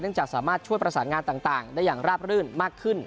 จากสามารถช่วยประสานงานต่างได้อย่างราบรื่นมากขึ้น